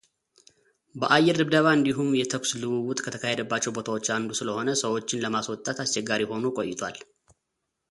የአየር ድብደባ እንዲሁም የተኩስ ልውውጥ ከተካሄደባቸው ቦታዎች አንዱ ስለሆነ ሰዎችን ለማስወጣት አስቸጋሪ ሆኖ ቆይቷል።